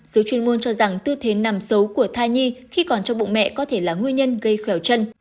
dấu chuyên môn cho rằng tư thế nằm xấu của tha nhi khi còn trong bụng mẹ có thể là nguyên nhân gây khéo chân